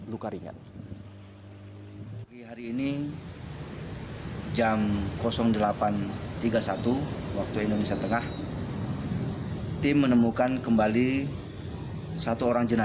minta luka ringan